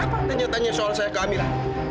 buat apa tanya tanya soal saya ke amira